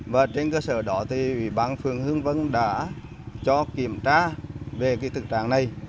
và trên cơ sở đó thì ủy ban phường hương vân đã cho kiểm tra về cái thực trạng này